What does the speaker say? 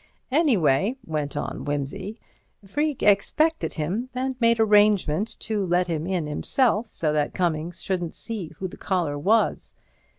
"Anyway," went on Wimsey, "Freke expected him, and made arrangement to let him in himself, so that Cummings shouldn't see who the caller was."